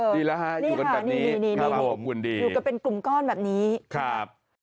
ดีแล้วฮะอยู่กันแบบนี้อยู่กันเป็นกลุ่มก้อนแบบนี้ครับ